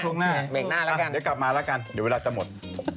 เดี๋ยวกลับมาละกันเดี๋ยวเวลาจะหมด